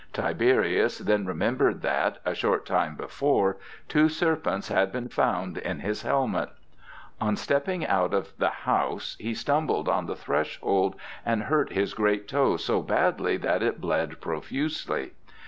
Tiberius then remembered that, a short time before, two serpents had been found in his helmet. On stepping out of the house he stumbled on the threshold and hurt his great toe so badly that it bled profusely.